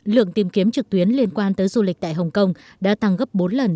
lượng tìm kiếm trực tuyến liên quan tới du lịch tại hồng kông đã tăng gấp bốn lần